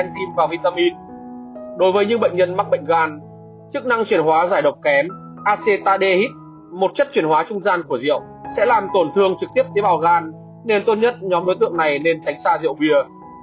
đối với những bệnh nhân mắc bệnh gan chức năng chuyển hóa giải độc kém actis một chất chuyển hóa trung gian của rượu sẽ làm tổn thương trực tiếp tế bào lan nên tốt nhất nhóm đối tượng này nên tránh xa rượu bia